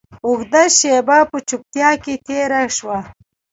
اوږده شېبه په چوپتيا کښې تېره سوه.